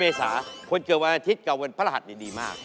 เพราะว่ารายการหาคู่ของเราเป็นรายการแรกนะครับ